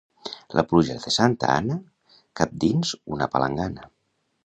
La pluja de Santa Anna cap dins una palangana.